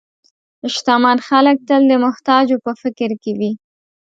شتمن خلک تل د محتاجو په فکر کې وي.